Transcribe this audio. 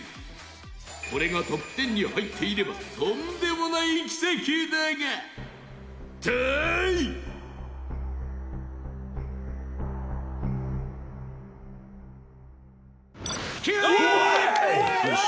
これがトップ１０に入っていればとんでもない奇跡だが伊達：よし。